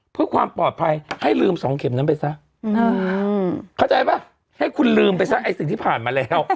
เพื่อความปลอดภัยให้ลืม๒เข็มนั้นไปซะเข้าใจป่ะให้คุณลืมไปซะไอ้สิ่งที่ผ่านมาแล้ว